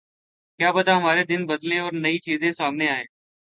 کیا پتا ہمارے دن بدلیں اور نئی چیزیں سامنے آئیں۔